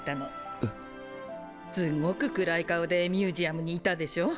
すごく暗い顔でミュージアムにいたでしょ？